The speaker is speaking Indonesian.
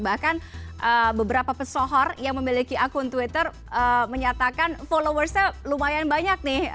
bahkan beberapa pesohor yang memiliki akun twitter menyatakan followersnya lumayan banyak nih